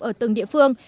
ở từng địa phương